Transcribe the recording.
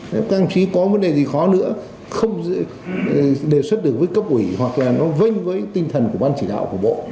nếu các ông chí có vấn đề gì khó nữa không đề xuất được với cấp ủy hoặc là nó vênh với tinh thần của ban chỉ đạo của bộ